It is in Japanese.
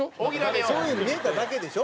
そういう風に見えただけでしょ？